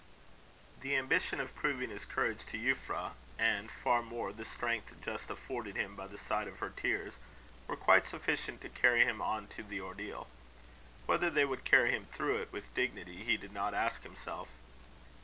The ambition of proving his courage to Euphra, and, far more, the strength just afforded him by the sight of her tears, were quite sufficient to carry him on to the ordeal. Whether they would carry him through it with dignity, he did not ask himself.